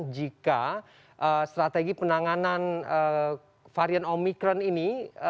jika strategi penanganan varian omikron ini